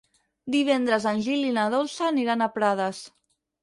Divendres en Gil i na Dolça aniran a Prades.